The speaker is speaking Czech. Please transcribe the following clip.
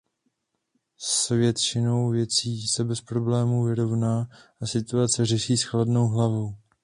S většinou věcí se bez problémů vyrovná a situace řeší s chladnou hlavou.